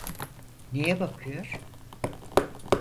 Neye bakıyor?